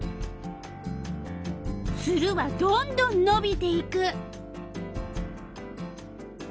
ツルはどんどんのびていく。